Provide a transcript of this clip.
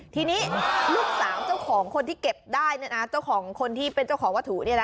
ทีนี้ลูกสาวเจ้าของคนที่เก็บได้เจ้าของคนที่เป็นเจ้าของวัตถุ